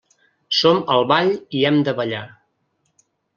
Som al ball i hem de ballar.